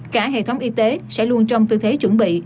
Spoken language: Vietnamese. cả hệ thống y tế sẽ luôn trong tư thế chuẩn bị